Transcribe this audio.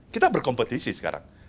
kita berkompetisi sekarang